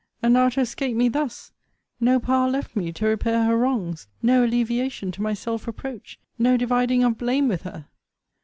And now to escape me thus! No power left me to repair her wrongs! No alleviation to my self reproach! No dividing of blame with her!